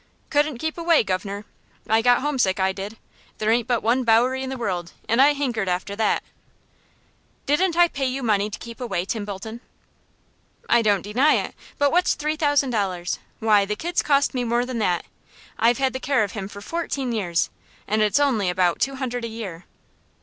"Couldn't keep away, governor. I got homesick, I did. There ain't but one Bowery in the world, and I hankered after that " "Didn't I pay you money to keep away, Tim Bolton?" "I don't deny it; but what's three thousand dollars? Why, the kid's cost me more than that. I've had the care of him for fourteen years, and it's only about two hundred a year."